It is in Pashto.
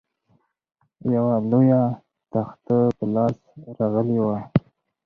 یوه لویه تخته په لاس راغلې وه.